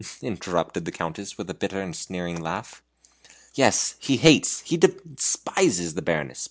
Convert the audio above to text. interrupted the Countess with a bitter and sneering laugh. "Yes he hates, he despises the Baroness.